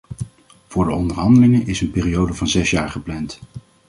Voor de onderhandelingen is een periode van zes jaar gepland.